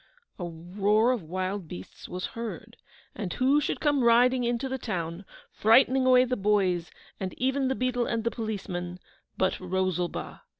A roar of wild beasts was heard. And who should come riding into the town, frightening away the boys, and even the beadle and policeman, but ROSALBA!